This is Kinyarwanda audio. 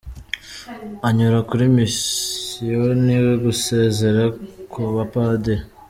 Anyura kuri Misiyoni gusezera ku bapadiri.